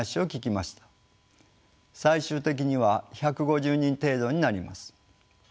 最終的には１５０人程度になります。